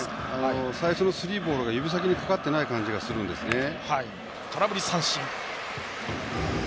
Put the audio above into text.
最初のスリーボールが指先にかかってない感じが空振り三振。